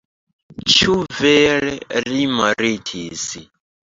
Ĉu vere li mortis?